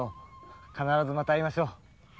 必ずまた会いましょう。